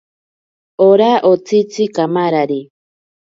Ora otsitzi kamarari.